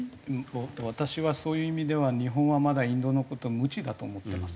私はそういう意味では日本はまだインドの事無知だと思ってます。